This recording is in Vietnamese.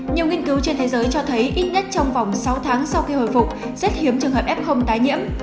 nhiều nghiên cứu trên thế giới cho thấy ít nhất trong vòng sáu tháng sau khi hồi phục rất hiếm trường hợp f tái nhiễm